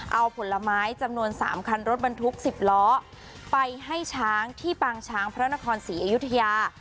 เอาผลไม้จำนวน๓คันรถบรรทุก๑๐ล้อไปให้ช้างที่ปางช้างพระนครศรีอยุธยา